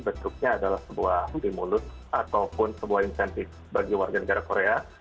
bentuknya adalah sebuah stimulus ataupun sebuah insentif bagi warga negara korea